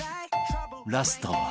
ラストは